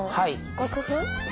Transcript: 楽譜？